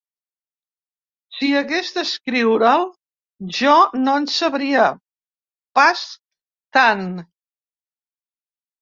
Si hagués d’escriure’l jo, no en sabria pas tant.